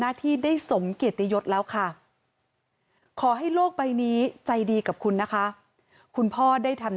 ที่ได้สมเกียรติยศแล้วค่ะขอให้โลกใบนี้ใจดีกับคุณนะคะคุณพ่อได้ทำ